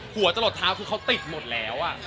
หัวจะหลดเท้าคือเขาติดหมดแล้ว